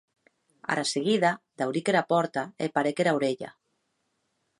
Ara seguida dauric era pòrta e parèc era aurelha.